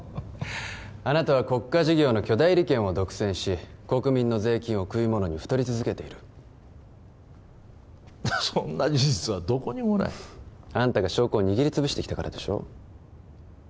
あなたは国家事業の巨大利権を独占し国民の税金を食い物に太り続けているそんな事実はどこにもないあんたが証拠を握り潰してきたからでしょ